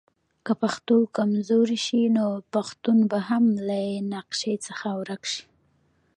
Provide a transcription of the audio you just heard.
که پښتو کمزورې شي نو پښتون به هم له نقشه څخه ورک شي.